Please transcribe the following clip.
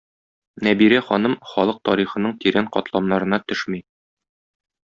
Нәбирә ханым халык тарихының тирән катламнарына төшми.